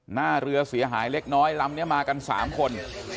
หน้าเรือเสียหายเล็กน้อยลำนี้มากัน๓คน